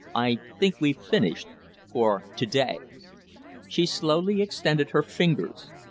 "I think we've finished for to day." She slowly extended her fingers.